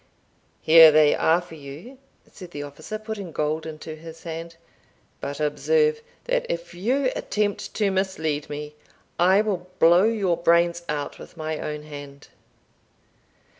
"Here they are for you," said the officer, putting gold into his hand; "but observe, that if you attempt to mislead me, I will blow your brains out with my own hand."